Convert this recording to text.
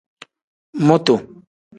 Mutu.